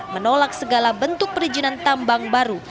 menolak segala bentuk perizinan tambang baru